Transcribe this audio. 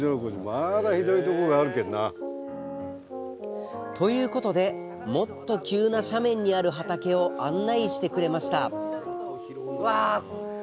まだひどいところがあるけんな。ということでもっと急な斜面にある畑を案内してくれました